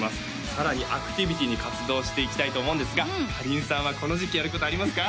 さらにアクティビティーに活動していきたいと思うんですがかりんさんはこの時期やることありますか？